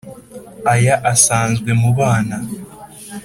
Aya asanzwe mu bana.